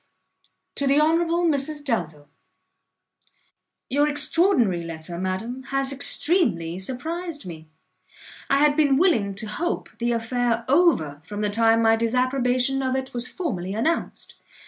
To the Honourable Mrs Delvile. Your extraordinary letter, madam, has extremely surprised me. I had been willing to hope the affair over from the time my disapprobation of it was formally announced.